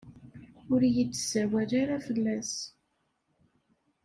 Ur iyi-d-ssawal ara fell-as.